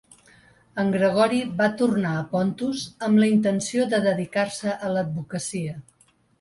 En Gregori va tornar a Pontus amb la intenció de dedicar-se a l'advocacia.